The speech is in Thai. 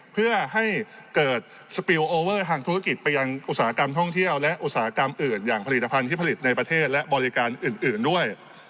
เพื่อให้เกิดสปิลโอเวอร์ทางธุรกิจไปยังอุตสาหกรรมท่องเที่ยวและอุตสาหกรรมอื่นอย่างผลิตภัณฑ์ที่ผลิตในประเทศและบริการอื่นด้วย